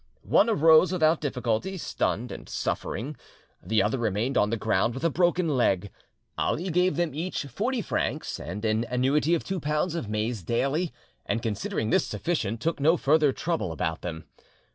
One arose with difficulty, stunned and suffering, the other remained on the ground with a broken leg. Ali gave them each forty francs and an annuity of two pounds of maize daily, and considering this sufficient, took no further trouble about them.